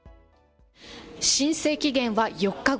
申請期限は４日後。